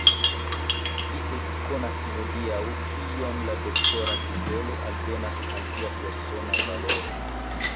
Vi ekkonas hodiaŭ, kiom la doktora titolo aldonas al via persona valoro!